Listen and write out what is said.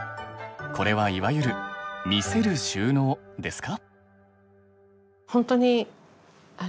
これはいわゆる「見せる収納」ですか？